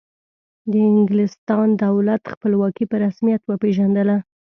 د انګلستان دولت خپلواکي په رسمیت وپیژندله.